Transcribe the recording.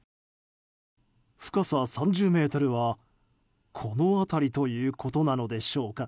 深さ３０ｍはこの辺りということなのでしょうか。